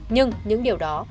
nhưng những điều đó